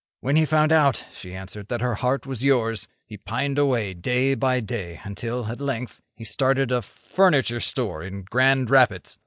'When he found out,' she answered, 'that her heart was yours, he pined away day by day until, at length, he started a furniture store in Grand Rapids.